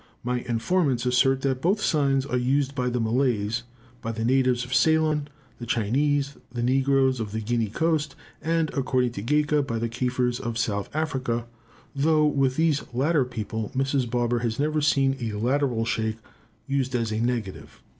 My informants assert that both signs are used by the Malays, by the natives of Ceylon, the Chinese, the negroes of the Guinea coast, and, according to Gaika, by the Kafirs of South Africa, though with these latter people Mrs. Barber has never seen a lateral shake used as a negative.